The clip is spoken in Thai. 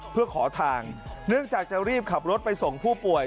เพื่อขอทางเนื่องจากจะรีบขับรถไปส่งผู้ป่วย